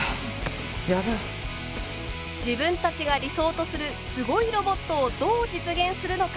自分たちが理想とするすごいロボットをどう実現するのか。